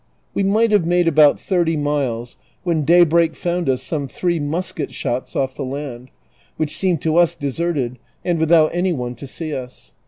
We might have made about thirty miles when daybreak found us some three musket shots off the land, which seemed to us deserted, and without any one to see us.